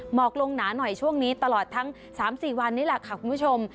กลงหนาหน่อยช่วงนี้ตลอดทั้ง๓๔วันนี้แหละค่ะคุณผู้ชม